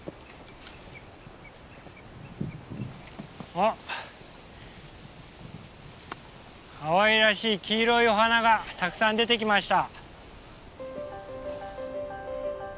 あっかわいらしい黄色いお花がたくさん出てきました。